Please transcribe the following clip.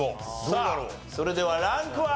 さあそれではランクは？